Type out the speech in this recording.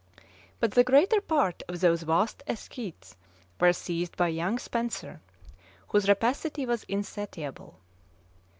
But the greater part of those vast escheats were seized by young Spenser, whose rapacity was insatiable.